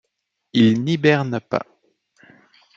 Ils n'hibernent pas.